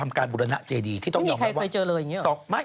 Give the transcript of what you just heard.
อันนี้มันเกิดที่